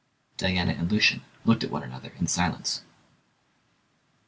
Diana and Lucian looked at one another in silence.